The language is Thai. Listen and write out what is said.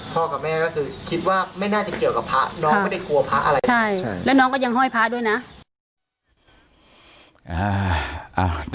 กับแม่ก็คือคิดว่าไม่น่าจะเกี่ยวกับพระน้องไม่ได้กลัวพระอะไรแล้วน้องก็ยังห้อยพระด้วยนะ